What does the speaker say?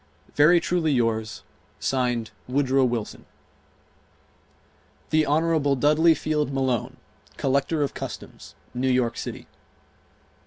Very truly yours, (Signed) WOODROW WILSON. Hon. Dudley Field Malone, Collector of Customs, New York City.